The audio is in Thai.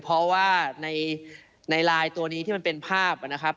เพราะว่าในไลน์ตัวนี้ที่มันเป็นภาพนะครับ